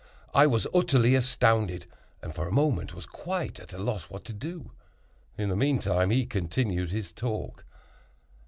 I was utterly astounded; and, for a moment, was quite at a loss what to do. In the meantime, he continued his talk.